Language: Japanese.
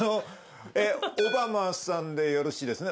オバマさんでよろしいですね？